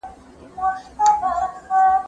پر خپلوانو گاونډیانو مهربان وو